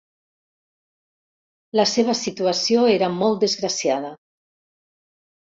La seva situació era molt desgraciada.